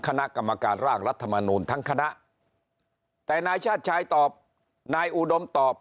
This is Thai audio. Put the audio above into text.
คณะกรรมการร่างรัฐมนูลทั้งคณะแต่นายชาติชายตอบนายอุดมตอบ